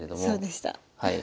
そうでした。